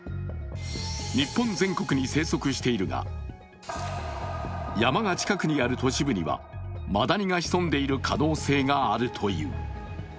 日本全国に生息しているが山が近くにある都市部にはマダニが潜んでいる可能性があるという。